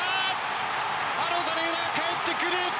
アロザレーナ、かえってくる！